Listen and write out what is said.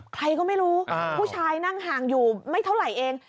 ใครก็ไม่รู้ผู้ชายนั่งห่างอยู่ไม่เท่าไหร่เอง